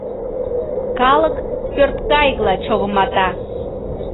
Калык пӧрткайыкла чогымата.